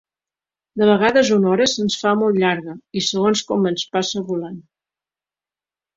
De vegades una hora se'ns fa molt llarga i segons com ens passa volant.